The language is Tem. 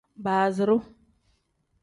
Baaziru.